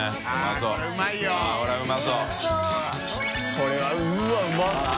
これはうわうまそう！